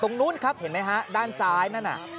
ตรงนู้นครับเห็นไหมฮะด้านซ้ายนั่นน่ะ